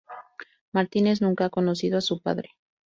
Martínez nunca ha conocido a su padre.